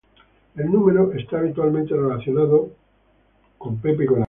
El número está habitualmente relacionado con Satanás y con el Anticristo.